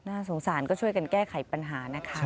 สงสารก็ช่วยกันแก้ไขปัญหานะคะ